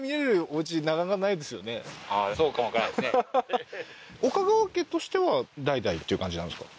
うん岡川家としては代々っていう感じなんですか？